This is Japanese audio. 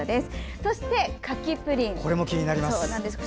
そして、柿プリン。